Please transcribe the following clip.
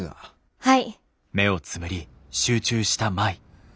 はい。